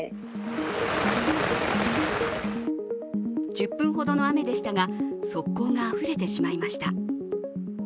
１０分ほどの雨でしたが、側溝があふれてしまいました。